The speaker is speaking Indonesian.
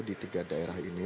di tiga daerah ini